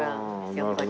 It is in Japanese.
やっぱり。